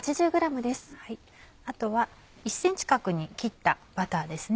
あとは１ｃｍ角に切ったバターですね。